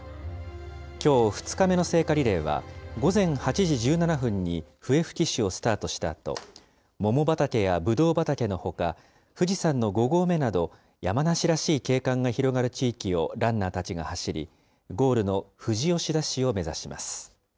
きょう２日目の聖火リレーは、午前８時１７分に笛吹市をスタートしたあと、桃畑やぶどう畑のほか、富士山の５合目など、山梨らしい景観が広がる地域をランナーたちが走り、ゴールの富士吉田市を目指します。